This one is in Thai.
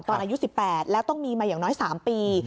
อายุ๑๘แล้วต้องมีมาอย่างน้อย๓ปี